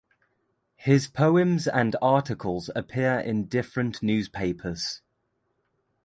His poems and articles appear in different newspapers.